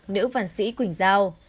nữ phản sĩ quỳnh giao